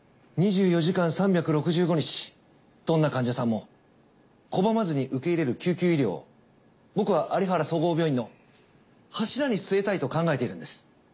２４時間３６５日どんな患者さんも拒まずに受け入れる救急医療を僕は有原総合病院の柱に据えたいと考えているんです。